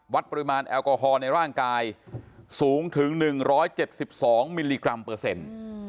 วัดปริมาณแอลกอฮอล์ในร่างกายสูงถึงหนึ่งร้อยเจ็บสิบสองมิลลิกรัมเปอร์เซ็นต์